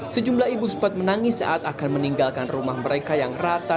sejumlah ibu sempat menangis saat akan meninggalkan rumah mereka yang rata